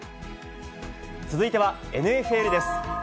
続いてはＮＦＬです。